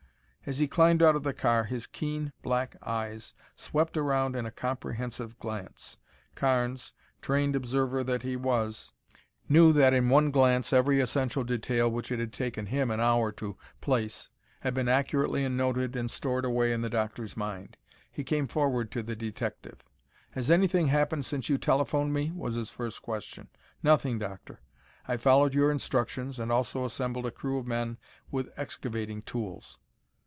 As he climbed out of the car his keen black eyes swept around in a comprehensive glance. Carnes, trained observer that he was, knew that in that one glance every essential detail which it had taken him an hour to place had been accurately noted and stored away in the doctor's mind. He came forward to the detective. "Has anything happened since you telephoned me?" was his first question. "Nothing, Doctor. I followed your instructions and also assembled a crew of men with excavating tools."